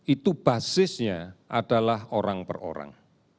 itu basisnya adalah orang per orang